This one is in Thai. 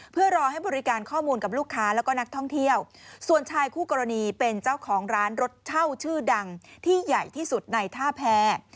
เพื่อรอให้บริการข้อมูลกับลูกค้าแล้วก็นักท่องเที่ยวส่วนชายคู่กรณีเป็นเจ้าของร้านรถเช่าชื่อดังที่ใหญ่ที่สุดในท่าแพร